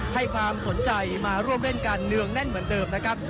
ให้ความสนใจมาร่วมเล่นกันเนืองแน่นเหมือนเดิมนะครับ